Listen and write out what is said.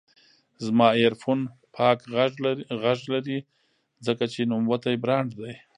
زما ایرفون پاک غږ لري، ځکه چې نوموتی برانډ دی.